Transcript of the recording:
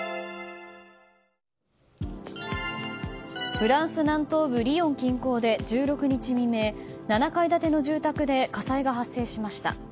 フランス南東部リヨン近郊で１６日未明７階建ての住宅で火災が発生しました。